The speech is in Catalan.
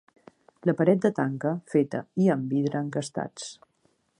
La paret de tanca, feta, i am vidre encastats